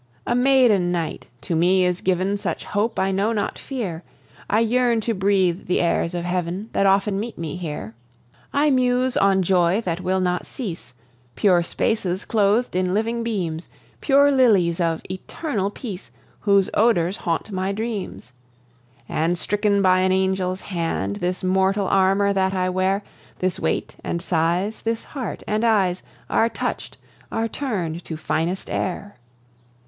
A maiden knight to me is given Such hope, I know not fear; I yearn to breathe the airs of heaven That often meet me here. I muse on joy that will not cease, Pure spaces cloth'd in living beams, Pure lilies of eternal peace, Whose odours haunt my dreams; And, stricken by an angel's hand, This mortal armour that I wear, This weight and size, this heart and eyes, Are touch'd, are turn'd to finest air.